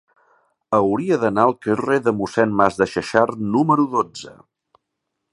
Hauria d'anar al carrer de Mossèn Masdexexart número dotze.